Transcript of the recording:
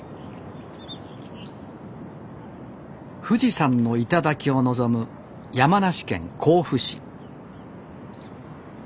富士山の頂を望む山梨県甲府市。